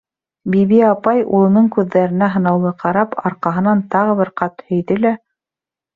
Биби апай, улының күҙҙәренә һынаулы ҡарап, арҡаһынан тағы бер ҡат һөйҙө лә: